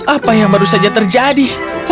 apa yang baru saja terjadi